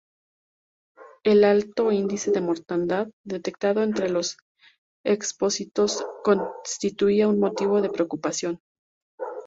El alto índice de mortandad detectado entre los expósitos constituía un motivo de preocupación.